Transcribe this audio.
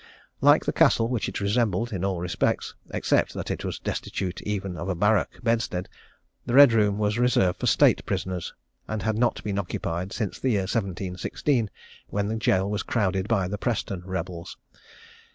Like the Castle, which it resembled in all respects, except that it was destitute even of a barrack bedstead, the Red room was reserved for state prisoners, and had not been occupied since the year 1716, when the gaol was crowded by the Preston rebels.